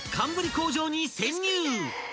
工場に潜入！］